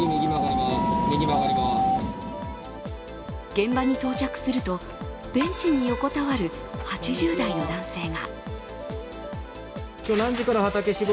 現場に到着すると、ベンチに横たわる８０代の男性が。